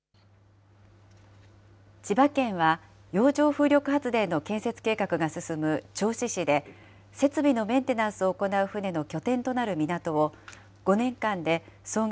千葉県は、洋上風力発電の建設計画が進む銚子市で、設備のメンテナンスを行う船の拠点となる港を、５年間で総額